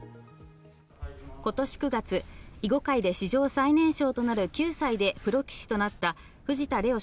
今年９月、囲碁界で史上最年少となる９歳でプロ棋士となった藤田怜央